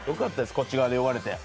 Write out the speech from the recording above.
こっち側で呼ばれて。